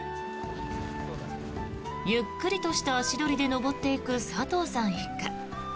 ゆっくりとした足取りで登っていく佐藤さん一家。